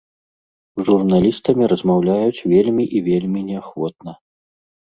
З журналістамі размаўляюць вельмі і вельмі неахвотна.